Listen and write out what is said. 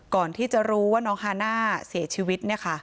ก่อนที่จะรู้ว่าน้องฮาน่าเสียชีวิต